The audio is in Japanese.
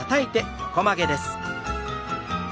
横曲げです。